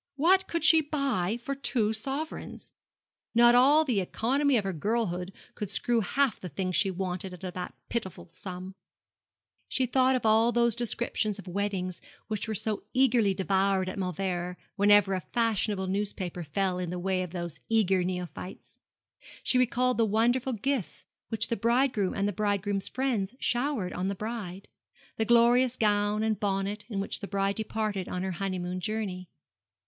What could she buy for two sovereigns? Not all the economy of her girlhood could screw half the things she wanted out of that pitiful sum. She thought of all those descriptions of weddings which were so eagerly devoured at Mauleverer, whenever a fashionable newspaper fell in the way of those eager neophytes. She recalled the wonderful gifts which the bridegroom and the bridegroom's friends showered on the bride the glorious gown and bonnet in which the bride departed on her honeymoon journey.